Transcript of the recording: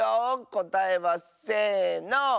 こたえはせの！